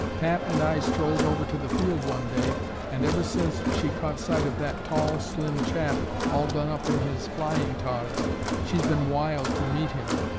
Pat and I strolled over to the field one day and ever since she caught sight of that tall, slim chap all done up in his flying togs, she's been wild to meet him.